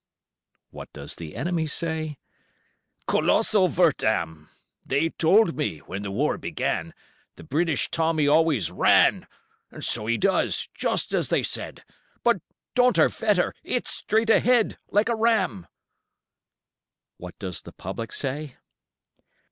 What does the enemy say? "Kolossal Verdam! They told me, when the war began, The British Tommy always ran, And so he does, just as they said, But, Donnerwetter! it's straight ahead, Like a ram." What does the public say?